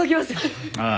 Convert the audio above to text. ああ。